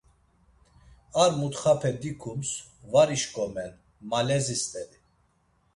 Ar mutxape dikums, var işǩomen, malezi st̆eri.